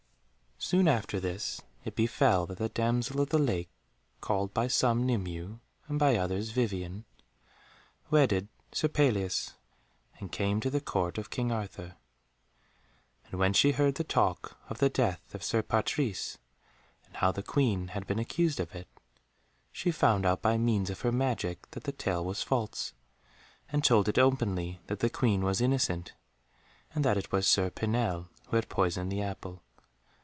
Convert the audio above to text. Soon after this it befell that the damsel of the lake, called by some Nimue and by others Vivien, wedded Sir Pelleas, and came to the Court of King Arthur. And when she heard the talk of the death of Sir Patrise and how the Queen had been accused of it, she found out by means of her magic that the tale was false, and told it openly that the Queen was innocent and that it was Sir Pinel who had poisoned the apple.